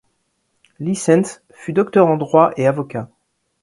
Lysens fut docteur en droit et avocat.